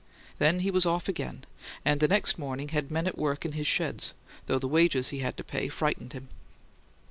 Then he was off again; and the next morning had men at work in his sheds, though the wages he had to pay frightened him.